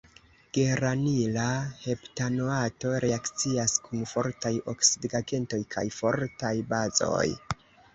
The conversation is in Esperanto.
Geranila heptanoato reakcias kun fortaj oksidigagentoj kaj fortaj bazoj.